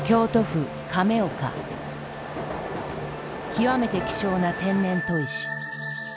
極めて希少な天然砥石。